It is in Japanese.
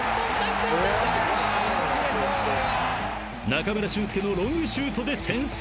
［中村俊輔のロングシュートで先制］